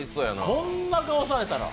こんな顔されたら！